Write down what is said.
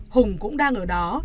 hùng cũng đang ở đó